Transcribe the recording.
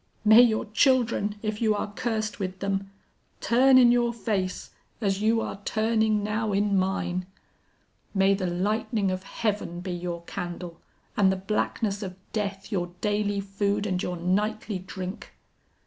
May your children, if you are cursed with them, turn in your face, as you are turning now in mine! May the lightning of heaven be your candle, and the blackness of death your daily food and your nightly drink!'